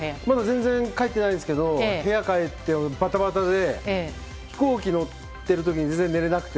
全然帰ってないんですけど部屋に帰ってバタバタで飛行機に乗っている時に全然寝られなくて。